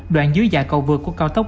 đoạn dưới dạ cầu vượt của cao tốc